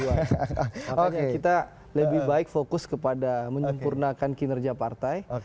makanya kita lebih baik fokus kepada menyempurnakan kinerja partai